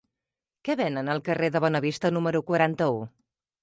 Què venen al carrer de Bonavista número quaranta-u?